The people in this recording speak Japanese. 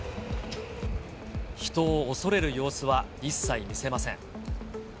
人を恐れる様子は一切見せません。